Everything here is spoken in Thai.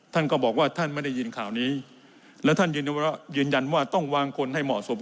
ท่านก็บอกว่าท่านไม่ได้ยินข่าวนี้และท่านยืนยันว่าต้องวางคนให้เหมาะสม